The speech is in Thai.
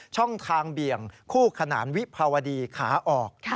ช่องทางเบี่ยงคู่ขนานวิภาวดีขาออก